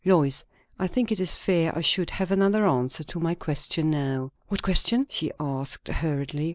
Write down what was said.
"Lois, I think it is fair I should have another answer to my question now." "What question?" she asked hurriedly.